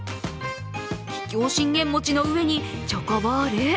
桔梗信玄餅の上にチョコボール？